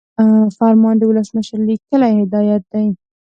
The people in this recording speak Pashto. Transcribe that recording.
فرمان د ولسمشر لیکلی هدایت دی.